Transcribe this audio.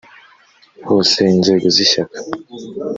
hose inzego z ishyaka